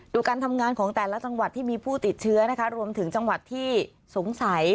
การทำงานของแต่ละจังหวัดที่มีผู้ติดเชื้อนะคะรวมถึงจังหวัดที่สงสัย